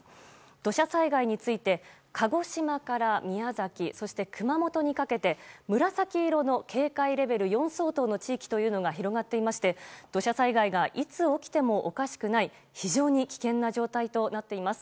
土砂災害について鹿児島から宮崎そして熊本にかけて紫色の警戒レベル４相当の地域というのが広がっていまして土砂災害がいつ起きてもおかしくない非常に危険な状態となっています。